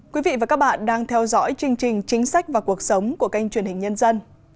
quý vị và các bạn đang theo dõi chương trình chính sách và cuộc sống của kênh truyền hình nhân dân